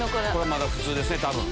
まだ普通です多分。